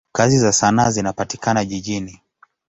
Kazi za sanaa zinapatikana jijini.